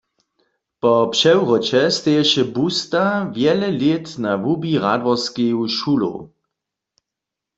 Po přewróće steješe busta wjele lět na łubi Radworskeju šulow.